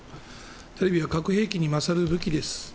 テレビは核兵器に勝る武器です。